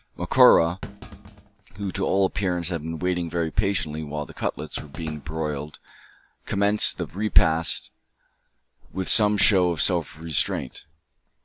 Macora, who, to all appearance, had been waiting very patiently while the cutlets were being broiled, commenced the repast with some show of self restraint.